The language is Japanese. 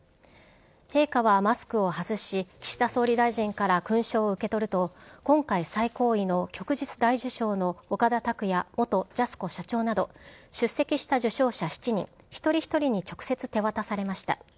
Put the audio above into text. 陛下はマスクを外し、岸田総理大臣から勲章を受け取ると、今回最高位の旭日大綬章の岡田卓也元ジャスコ社長など、出席した受章者７人一人一人に直接手渡されました。